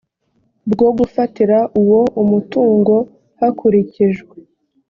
bwo gufatira uwo umutungo hakurikijwe